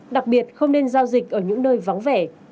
đặc biệt không nên giao dịch ở những nơi vắng vẻ